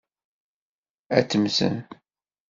Ad temmtem.